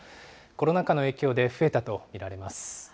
コロナ禍の影響で増えたと見られます。